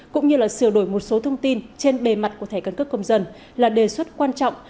cũng như sửa đổi một số thông tin trên bề mặt của thẻ căn cước công dân là đề xuất quan trọng